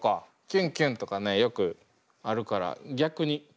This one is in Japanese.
「キュンキュン」とかねよくあるから逆に「んまっ」にします？